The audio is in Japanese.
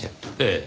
ええ。